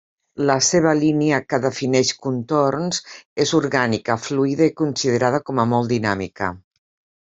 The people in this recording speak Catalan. La seva línia, que defineix contorns, és orgànica, fluida i considerada com a molt dinàmica.